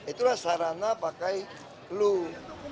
itulah sarana pakai clue